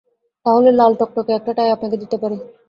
তাহলে লাল টকটকে একটা টাই আপনাকে দিতে পারি।